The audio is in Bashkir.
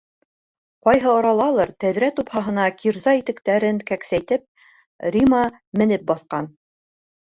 Ҡайһы аралалыр тәҙрә тупһаһына кирза итектәрен кәксәйтеп Рима менеп баҫҡан.